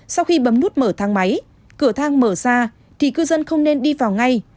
sau khi bấm nút mở thang máy cửa thang mở ra thì cư dân không nên đi vào ngay